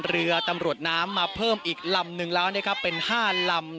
เรือตำรวจน้ำมาเพิ่มอีกลำนึงแล้วนะครับเป็น๕ลำ